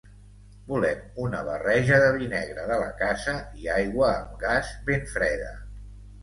Volem una barreja de vi negre de la casa, i aigua amb gas ben freda.